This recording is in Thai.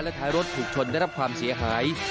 ท้ายรถถูกชนได้รับความเสียหาย